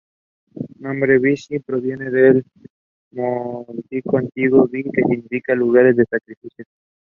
El nombre "Visby" proviene del nórdico antiguo ""Vi"", que 'significa lugar de sacrificios'.